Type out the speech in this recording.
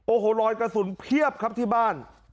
โอ้โหรอยกระสุนเพียบครับที่บ้าน